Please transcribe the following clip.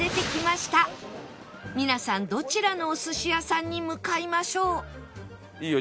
皆さんどちらのお寿司屋さんに向かいましょう？